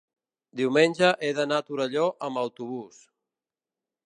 diumenge he d'anar a Torelló amb autobús.